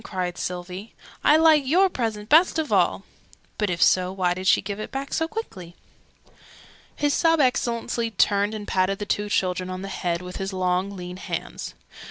cried Sylvie. "I like your present best of all!" (But if so, why did she give it back so quickly?) His Sub Excellency turned and patted the two children on the head with his long lean hands.